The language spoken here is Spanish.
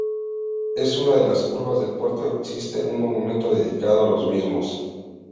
En una de las curvas del puerto existe un monumento dedicado a los mismos.